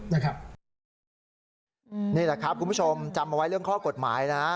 นี่แหละครับคุณผู้ชมจำเอาไว้เรื่องข้อกฎหมายนะ